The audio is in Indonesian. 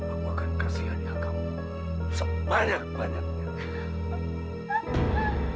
aku akan kasihannya kamu sebanyak banyaknya